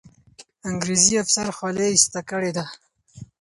انګریزي افسر خولۍ ایسته کړې ده.